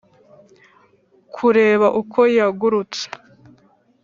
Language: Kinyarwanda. kureba uko yagurutse;